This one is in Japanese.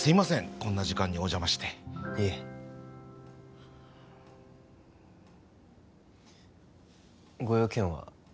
こんな時間にお邪魔していえご用件は？